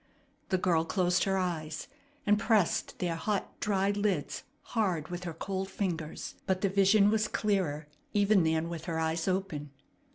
The girl closed her eyes, and pressed their hot, dry lids hard with her cold fingers; but the vision was clearer even than with her eyes open.